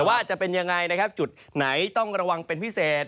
ว่าจะเป็นยังไงนะครับจุดไหนต้องระวังเป็นพิเศษ